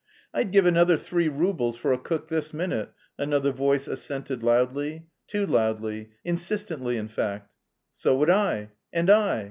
"I'd give another three roubles for a cook this minute," another voice assented loudly, too loudly; insistently, in fact. "So would I." "And I."